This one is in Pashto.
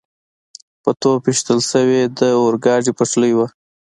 په توپ ویشتل شوې د اورګاډي پټلۍ وه.